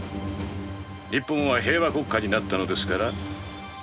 日本は平和国家になったのですから。